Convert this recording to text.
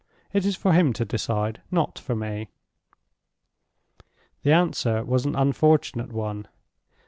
It is for him to decide, not for me." The answer was an unfortunate one.